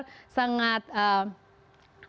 di tengah tampilan secara luar